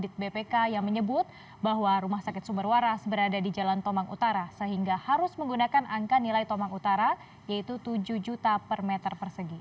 dan hasil audit bpk yang menyebut bahwa rumah sakit sumberwaras berada di jalan tomang utara sehingga harus menggunakan angka nilai tomang utara yaitu tujuh juta per meter persegi